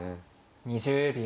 ２０秒。